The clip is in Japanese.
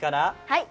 はい！